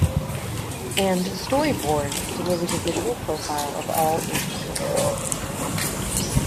And "Story Board" delivers a visual profile of all Asian countries.